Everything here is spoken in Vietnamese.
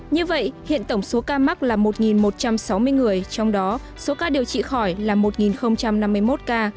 như vậy hiện tổng số ca mắc là một một trăm sáu mươi người trong đó số ca điều trị khỏi là một năm mươi một ca